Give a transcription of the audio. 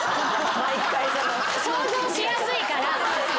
想像しやすいから。